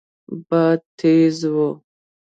باد تېز و.